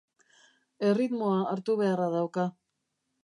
Erritmoa hartu beharra dauka.